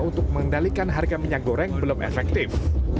untuk mengendalikan harga minyak goreng belum efektif